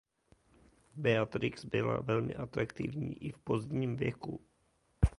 Beatrix byla velmi atraktivní i v pozdním věku.